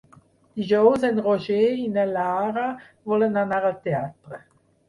Dijous en Roger i na Lara volen anar al teatre.